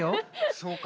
そうか。